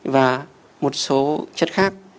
và một số chất khác